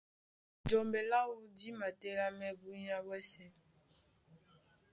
Jɔmbɛ láō dí matélámɛ́ búnyá ɓwɛ́sɛ̄.